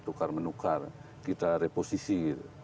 tukar menukar kita reposisi